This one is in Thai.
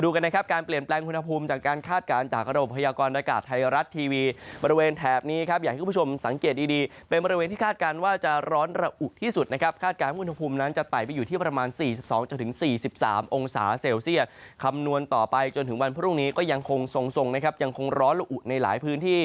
กันนะครับการเปลี่ยนแปลงอุณหภูมิจากการคาดการณ์จากระบบพยากรณากาศไทยรัฐทีวีบริเวณแถบนี้ครับอยากให้คุณผู้ชมสังเกตดีดีเป็นบริเวณที่คาดการณ์ว่าจะร้อนระอุที่สุดนะครับคาดการณ์อุณหภูมินั้นจะไต่ไปอยู่ที่ประมาณ๔๒๔๓องศาเซลเซียตคำนวณต่อไปจนถึงวันพรุ่งนี้ก็ยังคงทรงนะครับยังคงร้อนละอุในหลายพื้นที่